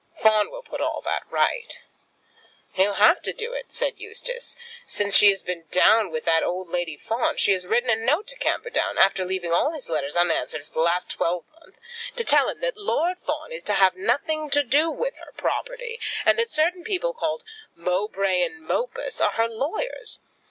"Fawn will put all that right." "He'll have to do it," said Eustace. "Since she has been down with the old Lady Fawn, she has written a note to Camperdown, after leaving all his letters unanswered for the last twelvemonth, to tell him that Lord Fawn is to have nothing to do with her property, and that certain people, called Mowbray and Mopus, are her lawyers.